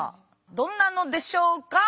どんなのでしょうか。